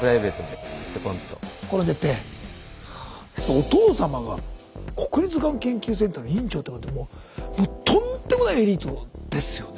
お父様が国立がん研究センターの院長ってことはもうとんでもないエリートですよね。